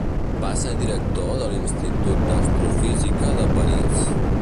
Va ser director de l'Institut d'Astrofísica de París.